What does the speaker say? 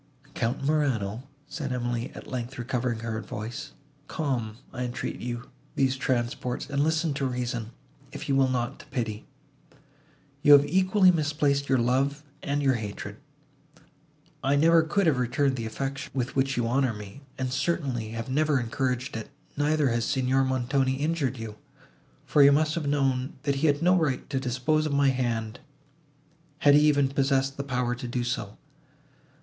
"Count Morano," said Emily, at length recovering her voice, "calm, I entreat you, these transports, and listen to reason, if you will not to pity. You have equally misplaced your love, and your hatred.—I never could have returned the affection, with which you honour me, and certainly have never encouraged it; neither has Signor Montoni injured you, for you must have known, that he had no right to dispose of my hand, had he even possessed the power to do so.